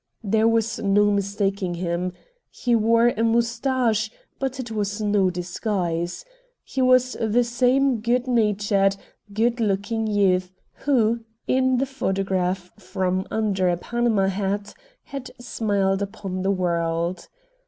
There was no mistaking him. He wore a mustache, but it was no disguise. He was the same good natured, good looking youth who, in the photograph from under a Panama hat, had smiled upon the world.